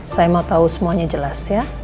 saya mau tahu semuanya jelas ya